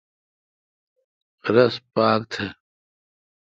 رس پاک تھ۔